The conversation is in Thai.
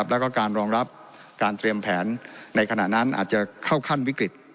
แล้วก็การรองรับการเตรียมแผนในขณะนั้นอาจจะเข้าขั้นวิกฤต